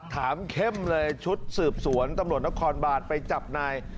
เข้มเลยชุดสืบสวนตำรวจนครบานไปจับนาย